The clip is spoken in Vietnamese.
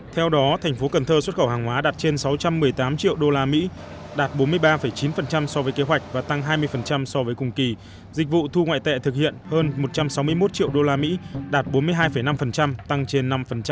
theo đó thành phố cần thơ xuất khẩu hàng hóa đạt trên sáu trăm một mươi tám triệu usd đạt bốn mươi ba chín so với kế hoạch và tăng hai mươi so với cùng kỳ dịch vụ thu ngoại tệ thực hiện hơn một trăm sáu mươi một triệu usd đạt bốn mươi hai năm tăng trên năm